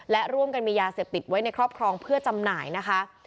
และร่วมกันมียาเสพติดไว้ในครอบครองเพื่อจำหน่ายนะคะ